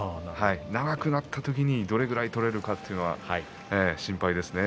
長くなった時にどれぐらい取れるかというのは心配ですね。